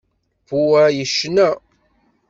Pua yecna.